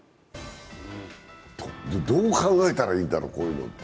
どう考えたらいいんだろう、こういうのって。